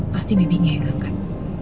pasti bibinya yang diangkat